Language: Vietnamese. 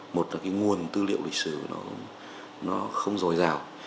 một là cái nguồn tư liệu lịch sử nó không dồi dào